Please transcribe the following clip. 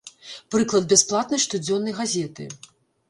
Прыклад бясплатнай штодзённай газеты.